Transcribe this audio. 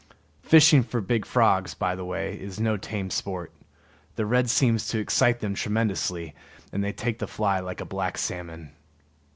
Fishing for big frogs, by the way, is no tame sport. The red seems to excite them tremendously, and they take the fly like a black salmon.